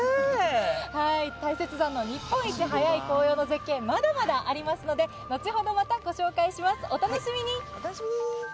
大雪山の日本一早い紅葉の絶景まだまだありますので後ほどまたご紹介します。